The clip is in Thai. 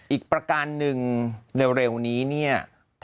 อีกประการหนึ่งเร็วนี้เนี่ย